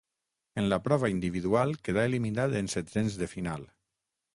En la prova individual quedà eliminat en setzens de final.